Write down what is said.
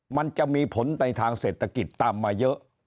มันจะมีผลในทางเศรษฐกิจตามมาเยอะ